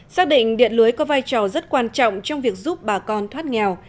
xác định điện lưới có vai trò rất quan trọng trong việc giúp bà con thoát nghèo